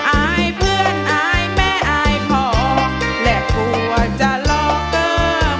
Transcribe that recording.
อายเพื่อนอายแม่อายพ่อและกลัวจะรอเกินไป